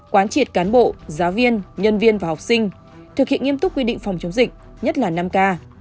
quán triệt cán bộ giáo viên nhân viên và học sinh thực hiện nghiêm túc quy định phòng chống dịch nhất là năm k